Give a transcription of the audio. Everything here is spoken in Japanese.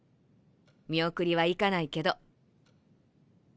見送りは行かないけど。